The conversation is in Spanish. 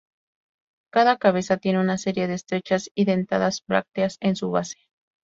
Cada cabeza tiene una serie de estrechas y dentadas brácteas en su base.